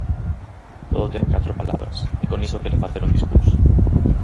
Todo ten catro palabras, e con iso quere facer un discurso.